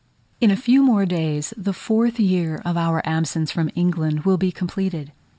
In a few more days the fourth year of our absence from England will be completed.